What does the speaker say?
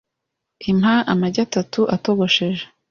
impa Amagi atatu atogosheje